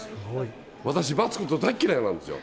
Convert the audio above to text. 私、待つこと大嫌いなんですよ。